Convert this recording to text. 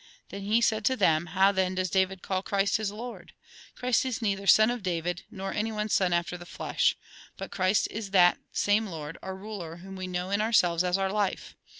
Then he said to them :" How, then, does David call Christ his Lord ? Christ is neither son of David, nor anyone's son after the flesh ; but Christ is that same Lord, our Euler, whom we know in ourselves as our life.